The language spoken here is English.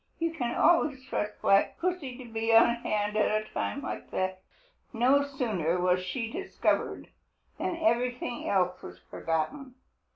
You can always trust Black Pussy to be on hand at a time like that. No sooner was she discovered than everything else was forgotten.